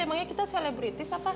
emangnya kita selebritis apa